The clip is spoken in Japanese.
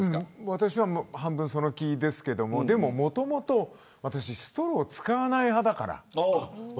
私は半分、その気ですけどももともと私、ストロー使わない派だから。